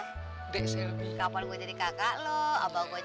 cari objek buat selbi oh ya boleh cari tapi jangan ngapain apa apa ya